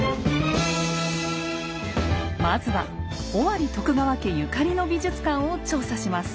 まずは尾張徳川家ゆかりの美術館を調査します。